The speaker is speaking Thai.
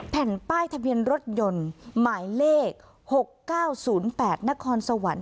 แผ่นป้ายทะเบียนรถยนต์หมายเลขหกเก้าศูนย์แปดนครสวรรค์